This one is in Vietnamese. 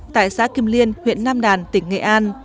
tại xã kim liên huyện nam đàn tỉnh nghệ an